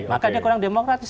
maka dia kurang demokratis